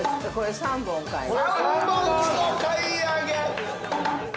◆３本お買い上げ！